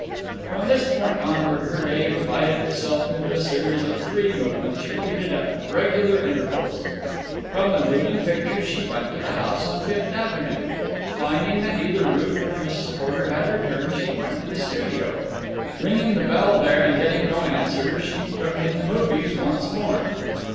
From this point onward her day divided itself into a series of three movements repeated at regular intervals. From the moving pictures she went to the house on Fifth Avenue. Finding that neither Ruth nor Mrs. Porter had returned, she went to the studio. Ringing the bell there and getting no answer, she took in the movies once more.